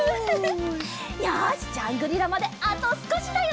よしジャングリラまであとすこしだよ！